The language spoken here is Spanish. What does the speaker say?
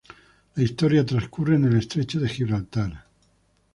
La historia transcurre en el estrecho de Gibraltar.